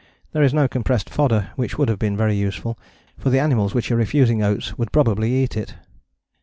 There is no compressed fodder, which would have been very useful, for the animals which are refusing the oats would probably eat it.